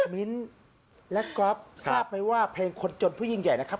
มิ้นและก๊อฟทราบไหมว่าเพลงคนจนผู้ยิ่งใหญ่นะครับ